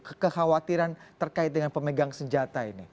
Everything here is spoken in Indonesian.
kekhawatiran terkait dengan pemegang senjata ini